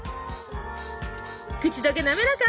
口溶けなめらか。